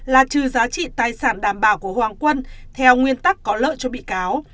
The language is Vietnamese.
là trừ giá trị tài sản đảm bảo của hoàng quân theo nguyên tắc có lợi cho bị cáo